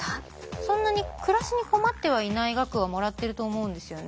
そんなに暮らしに困ってはいない額はもらってると思うんですよね。